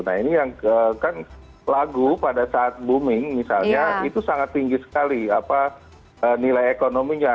nah ini yang kan lagu pada saat booming misalnya itu sangat tinggi sekali nilai ekonominya